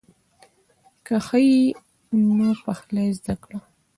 که ښه یې نو پخلی زده کړه.